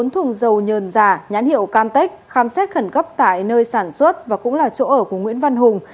bốn thùng dầu nhờn giả nhãn hiệu camtech khám xét khẩn cấp tại nơi sản xuất và cũng là chỗ ở của nguyễn văn hùng